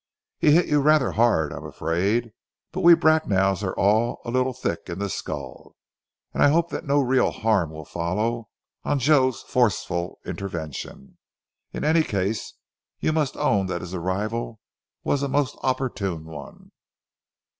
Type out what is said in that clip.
"He hit you rather hard, I am afraid, but we Bracknells are all a little thick in the skull, and I hope no real harm will follow on Joe's forceful intervention. In any case you must own that his arrival was a most opportune one."